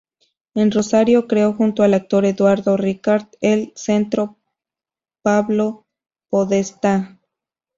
En Rosario creo junto al actor Eduardo Ricart el "Centro Pablo Podestá".